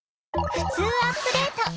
「ふつうアップデート」。